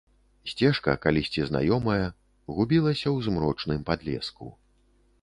Сцежка, калісьці знаёмая, губілася ў змрочным падлеску.